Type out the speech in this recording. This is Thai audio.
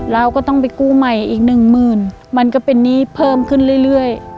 เราก็ต้องไปกู้ใหม่อีกหนึ่งหมื่นมันก็เป็นหนี้เพิ่มขึ้นเรื่อย